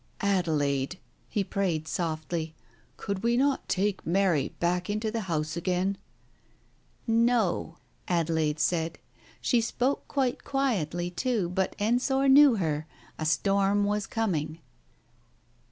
... "Adelaide," he prayed softly, "could we not take Mary back into the house again ?"" No," Adelaide said. She spoke quite quietly too, but Ensor knew her ; a storm was coming.